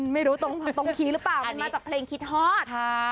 ไม่รู้ตรงคีย์หรือเปล่ามันมาจากเพลงคิดฮอต